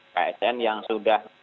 ksn yang sudah